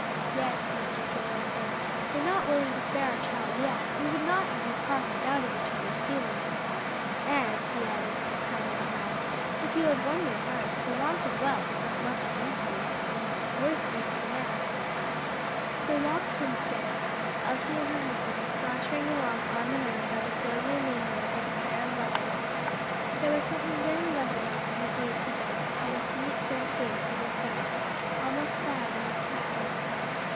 "Yes," Mr. Travilla said; "though not willing to spare our child yet, we would not have you part in doubt of each other's feelings. And," he added with a kindly smile, "if you have won her heart, the want of wealth is not much against you. 'Worth makes the man.'" They walked home together Elsie and her husband sauntering along arm in arm, by the silvery moonlight, like a pair of lovers. There was something very lover like in the gaze he bent upon the sweet, fair face at his side, almost sad in its quietness.